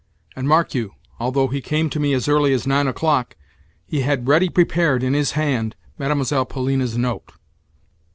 _ And, mark you, although he came to me as early as nine o'clock, he had ready prepared in his hand Mlle. Polina's note.